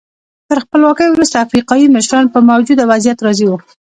تر خپلواکۍ وروسته افریقایي مشران په موجوده وضعیت راضي وو.